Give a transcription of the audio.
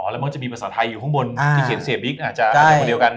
แล้วมักจะมีภาษาไทยอยู่ข้างบนที่เขียนเสียบิ๊กอาจจะคนเดียวกัน